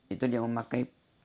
itu dia memakai